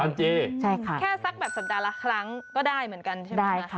แค่สักแบบสัปดาห์ละครั้งก็ได้เหมือนกันใช่ไหมคะ